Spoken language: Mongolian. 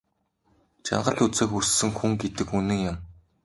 Жаргал үзээгүй өссөн хүн гэдэг үнэн юм.